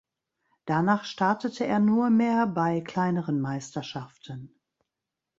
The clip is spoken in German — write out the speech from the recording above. Danach startete er nur mehr bei kleineren Meisterschaften.